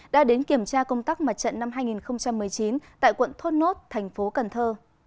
đã đến kiểm tra công tác mặt trận năm hai nghìn một mươi chín tại quận thốt nốt thành phố cần thơ